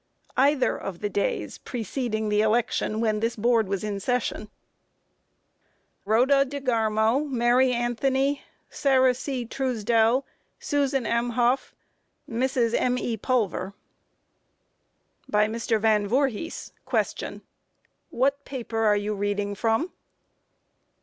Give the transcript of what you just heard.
Q. Either of the days preceding the election, when this Board was in session. A. Rhoda DeGarmo, Mary Anthony, Sarah C. Truesdell, Susan M. Hough, Mrs. M.E. Pulver. By MR. VAN VOORHIS: Q. What paper are you reading from?